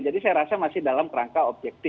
jadi saya rasa masih dalam rangka objektif